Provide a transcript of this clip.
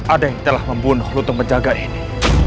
ada yang telah membunuh lutung penjaga ini